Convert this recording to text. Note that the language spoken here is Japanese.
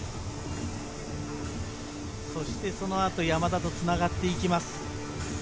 そしてその後、山田と繋がっていきます。